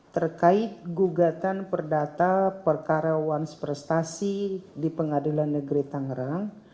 terkait gugatan perdata perkara wans prestasi di pengadilan negeri tangerang